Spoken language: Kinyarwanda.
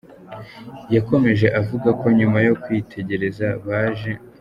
Yakomeje avuga ko nyuma yo kwitegereza baje.